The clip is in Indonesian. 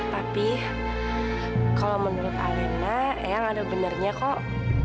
papi kalau menurut alena yang ada benarnya kok